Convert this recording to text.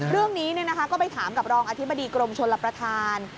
เรื่องนี้ก็ไปถามกับรองอธิบดีกรมชลประธาน